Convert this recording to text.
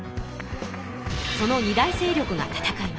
その二大勢力が戦いました。